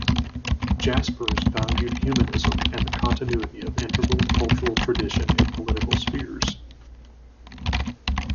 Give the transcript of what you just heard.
Jaspers valued humanism and the continuity of integral cultural tradition in political spheres.